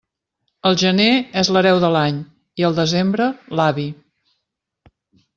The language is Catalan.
El gener és l'hereu de l'any, i el desembre, l'avi.